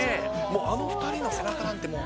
もうあの２人の背中なんて、もう。